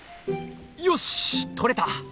よし取れた！